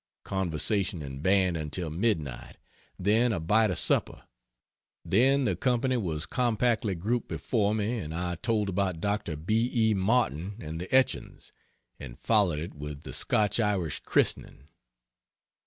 Conversation and Band until midnight; then a bite of supper; then the company was compactly grouped before me and I told about Dr. B. E. Martin and the etchings, and followed it with the Scotch Irish Christening.